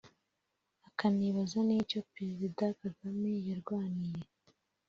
akanibaza n’icyo Président Kagame yarwaniye